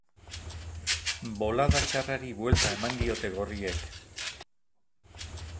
Bolada txarrari buelta eman diote gorriek.